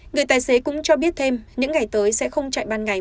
người tài xế cũng cho biết thêm những ngày tới sẽ không chạy ban ngày